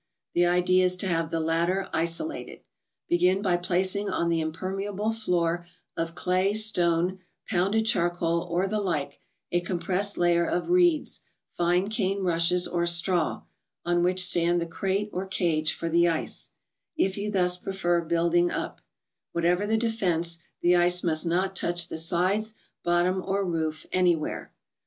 The idea is to have the latter isolated. Begin by placing on the impermeable floor of clay, stone, pounded charcoal, or the like, a compressed layer of reeds, fine cane rushes or straw, on which stand the crate or cage for the ice, if you thus prefer building up ; whatever the defence, the ice must not touch the sides, bottom or roof, anywhere.